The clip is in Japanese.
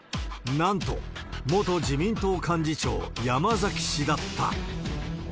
なんと、元自民党幹事長、山崎氏だった。